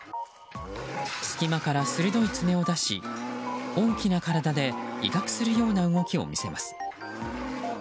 隙間から鋭い爪を出し大きな体で威嚇するような動きを見せます。